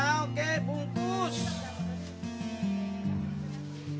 kita bisa berhubungan